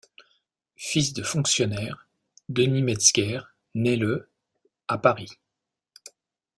Fils de fonctionnaires, Denis Metzger naît le à Paris.